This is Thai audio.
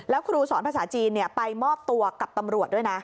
แล้วครูสอนภาษาจีนไปมอบตัวกับตำรวจด้วยนะ